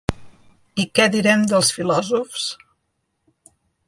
I què direm dels filòsofs?